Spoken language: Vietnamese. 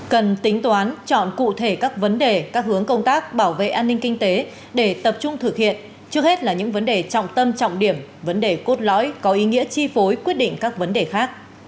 cần tính toán chọn cụ thể các vấn đề các hướng công tác bảo vệ an ninh kinh tế để tập trung thực hiện trước hết là những vấn đề trọng tâm trọng điểm vấn đề cốt lõi có ý nghĩa chi phối quyết định các vấn đề khác